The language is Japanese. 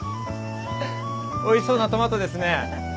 おいしそうなトマトですね。